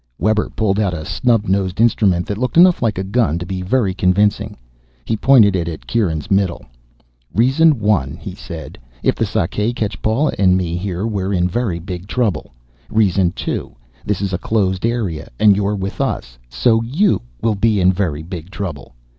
Webber pulled out a snub nosed instrument that looked enough like a gun to be very convincing. He pointed it at Kieran's middle. "Reason one," he said. "If the Sakae catch Paula and me here we're in very big trouble. Reason two this is a closed area, and you're with us, so you will be in very big trouble."